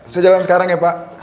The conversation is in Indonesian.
saya jalan sekarang ya pak